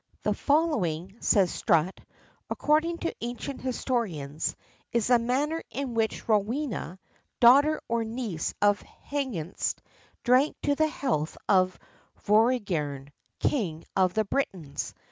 [XXXIV 25] "The following," says Strutt, "according to ancient historians, is the manner in which Rowena, daughter or niece of Hengist, drank to the health of Vortigern, King of the Britons.